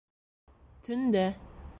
Төндә